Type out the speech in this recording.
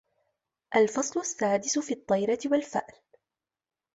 الْفَصْلُ السَّادِسُ فِي الطِّيَرَةِ وَالْفَأْلِ